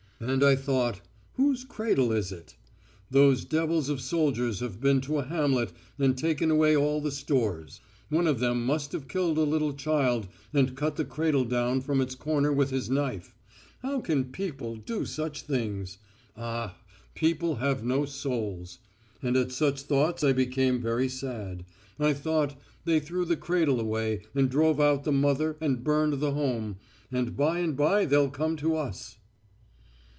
And I thought whose cradle is it? Those devils of soldiers have been to a hamlet and taken away all the stores; one of them must have killed a little child and cut the cradle down from its corner with his knife. How can people do such things? Ah, people have no souls! And at such thoughts I became very sad. I thought they threw the cradle away and drove out the mother and burned the home, and by and by they'll come to us...."